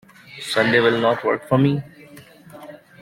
Sunday will not work for me.